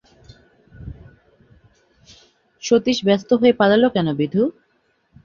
সতীশ ব্যস্ত হয়ে পালালো কেন, বিধু।